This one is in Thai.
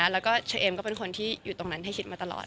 แล้วก็เชอเอมก็เป็นคนที่อยู่ตรงนั้นให้คิดมาตลอด